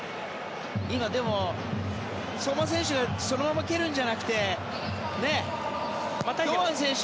今、でも、相馬選手そのまま蹴るんじゃなくて堂安選手